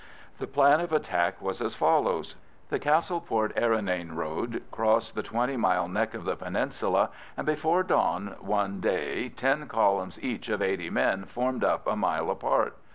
The plan of attack was as follows. The Castleport Errinane road crossed the twenty mile neck of the peninsula, and before dawn one day ten columns, each of eighty men, formed up a mile apart.